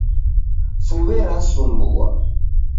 Fuwe rasumbua.